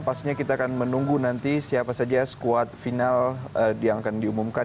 pastinya kita akan menunggu nanti siapa saja skuad final yang akan diumumkan